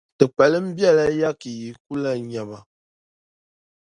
Di kpalim biɛla ka yi ku lan nya ma.